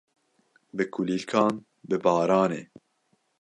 bi kulîlkan, bi baranê.